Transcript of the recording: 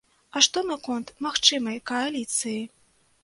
А што наконт магчымай кааліцыі?